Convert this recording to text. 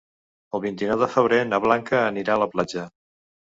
El vint-i-nou de febrer na Blanca anirà a la platja.